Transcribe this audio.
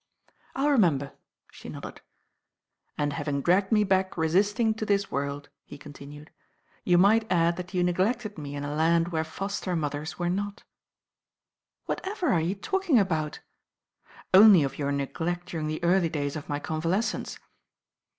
"I'll remember," she nodded. "And having dragged me back resisting to this worid," he continued, "you might add that you neglected me in a land where foster mothers were not." "Whatever are you talking about?" "Only of your neglect during the early days of my convalescence."